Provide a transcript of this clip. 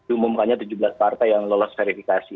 diumumkannya tujuh belas partai yang lolos verifikasi